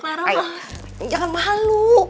marah jangan malu